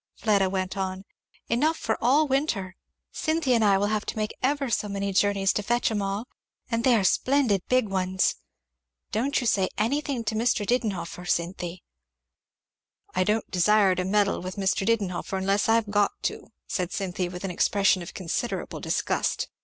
Fleda went on, "enough for all winter. Cynthy and I will have to make ever so many journeys to fetch 'em all; and they are splendid big ones. Don't you say anything to Mr. Didenhover, Cynthy." "I don't desire to meddle with Mr. Didenhover unless I've got to," said Cynthy with an expression of considerable disgust.